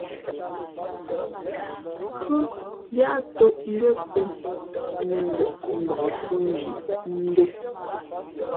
Pʉ̄h yáʼ tōʼ mbʉ́ά sēn , mēndαʼ mbak fhʉ̄nzhi ndǒ.